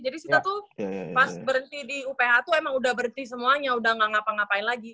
jadi kita tuh pas berhenti di uph tuh emang udah berhenti semuanya udah nggak ngapa ngapain lagi